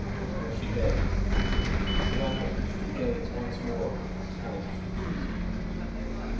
Were she dead, should I not wish to gaze once more upon her pallid features?